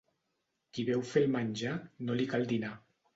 Qui veu fer el menjar, no li cal dinar.